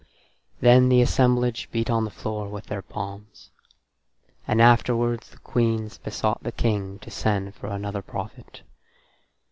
Then the assemblage beat on the floor with their palms. And afterwards the queens besought the King to send for another prophet.